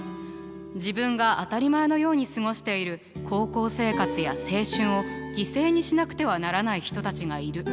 自分が当たり前のように過ごしている高校生活や青春を犠牲にしなくてはならない人たちがいる。